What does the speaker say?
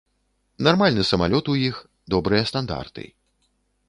Нармальны самалёт у іх, добрыя стандарты.